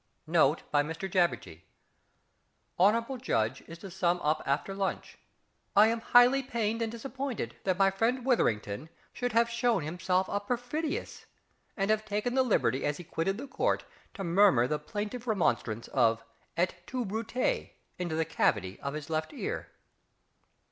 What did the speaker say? _) NOTE BY MR JABBERJEE. Hon'ble Judge is to sum up after lunch. I am highly pained and disappointed that my friend WITHERINGTON should have shown himself a perfidious, and have taken the liberty as he quitted the Court to murmur the plaintive remonstrance of "Et tu, Brute!" into the cavity of his left ear.